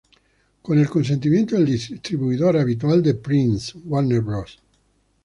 Con el consentimiento del distribuidor habitual de Prince, Warner Bros.